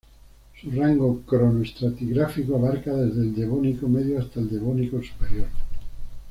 Su rango cronoestratigráfico abarca desde el Devónico medio hasta el Devónico superior.